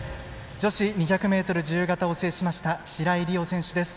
女子２００ｍ自由形を制しました白井璃緒選手です。